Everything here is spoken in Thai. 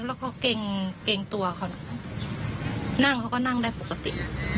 แล้วเขาเกรงตัวเขานั่งเขาก็นั่งได้ปกติ